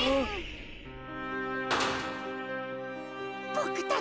ボクたち。